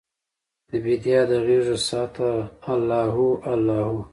دبیدیا د غیږوسعته الله هو، الله هو